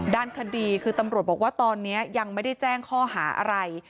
ด้านคดีคือตำรวจบอกว่าตอนนี้ยังไม่ได้แจ้งข้อหาอะไร